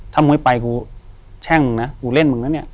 ถ้ามุ่งไม่ไปคุณแช่งนะคุณเล่นมึงนะเนี่ย